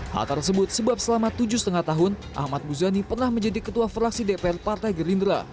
hal tersebut sebab selama tujuh lima tahun ahmad muzani pernah menjadi ketua fraksi dpr partai gerindra